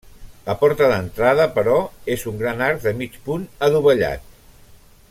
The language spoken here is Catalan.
La porta d'entrada, però, és un gran arc de mig punt adovellat.